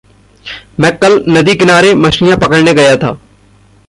मैं कल नदी किनारे मछलियाँ पकड़ने गया था।